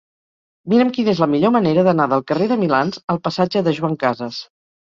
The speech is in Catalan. Mira'm quina és la millor manera d'anar del carrer de Milans al passatge de Joan Casas.